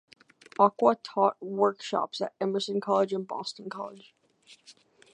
Aqua taught workshops at Emerson College and Boston College.